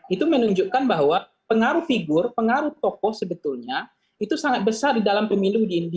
itu menunjukkan bahwa pengaruh figur pengaruh tokoh sebetulnya itu sangat besar di dalam pemilu di india